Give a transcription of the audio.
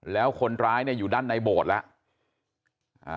แล้วคนร้ายเนี่ยอยู่ด้านในโบสถ์แล้ว